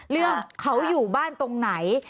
เรื่องเขาอยู่บ้านตรงไหน